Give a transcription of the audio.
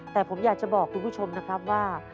แต่ผมอยากจะบอกคุณผู้ชมนะครับว่า